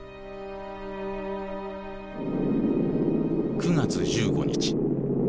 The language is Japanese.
９月１５日。